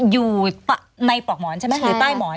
อยู่ในปลอกหมอนใช่ไหมหรือใต้หมอน